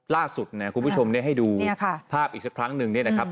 ล่าสุดคุณผู้ชมให้ดูภาพอีกสักครั้งนึงนะครับ